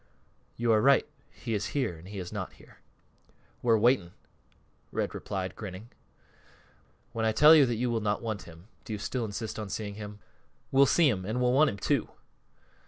"You are right he is here, and he is not here." "We're waiting," Red replied, grinning. "When I tell you that you will not want him, do you still insist on seeing him?" "We'll see him, an' we'll want him, too."